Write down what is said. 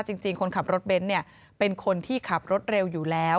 จริงคนขับรถเบนท์เป็นคนที่ขับรถเร็วอยู่แล้ว